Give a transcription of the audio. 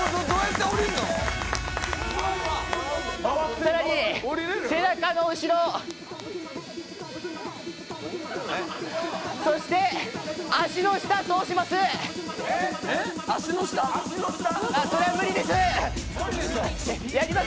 更に背中の後ろそして、足の下を通します。